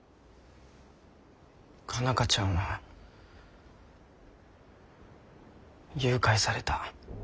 佳奈花ちゃんは誘拐された。